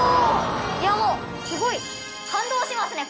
いやもうすごい！感動しますね！